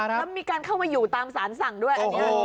แล้วมีการเข้ามาอยู่ตามสารสั่งด้วยอันนี้